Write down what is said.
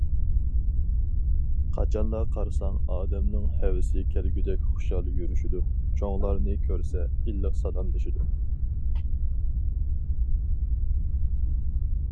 قاچانلا قارىساڭ ئادەمنىڭ ھەۋىسى كەلگۈدەك خۇشال يۈرۈشىدۇ، چوڭلارنى كۆرسە ئىللىق سالاملىشىدۇ.